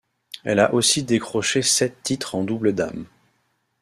Elle a aussi décroché sept titres en double dames.